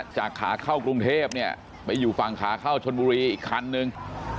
ขาเข้ากรุงเทพเนี่ยไปอยู่ฝั่งขาเข้าชนบุรีอีกคันนึง